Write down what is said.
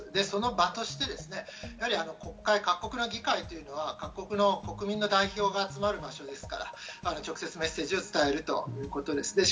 その場として各国の議会というのは国民の代表が集まる場所ですから直接メッセージを伝えるということです。